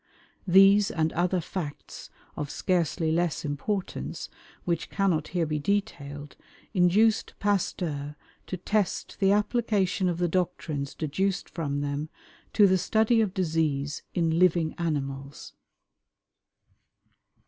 These and other facts of scarcely less importance, which cannot here be detailed, induced Pasteur to test the application of the doctrines deduced from them to the study of disease in living animals.